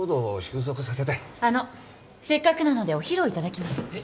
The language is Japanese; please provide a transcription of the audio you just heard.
あのせっかくなのでお昼を頂きます。